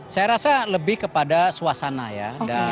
saya rasa lebih kepada suasana ya